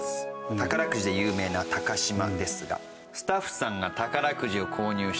宝くじで有名な高島ですがスタッフさんが宝くじを購入したところ。